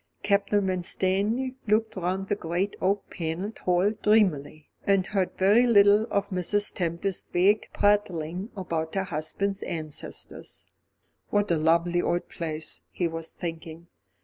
Captain Winstanley looked round the great oak panelled hall dreamily, and heard very little of Mrs. Tempest's vague prattling about her husband's ancestors. What a lovely old place, he was thinking.